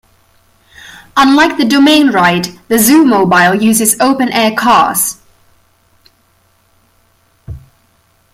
Unlike the Domain Ride, the Zoomobile uses open air cars.